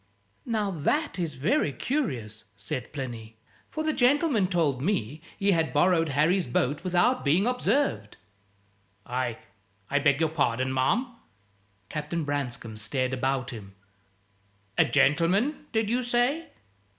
"Now, that is very curious," said Plinny; "for the gentleman told me he had borrowed Harry's boat without being observed." "I I beg your pardon, ma'am!" Captain Branscome stared about him. "A gentleman, did you say?"